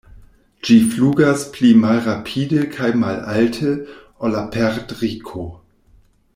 Ĝi flugas pli malrapide kaj malalte ol la perdriko.